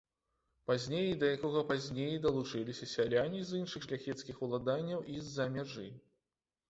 Пазней да якога пазней далучыліся сяляне з іншых шляхецкіх уладанняў і з-за мяжы.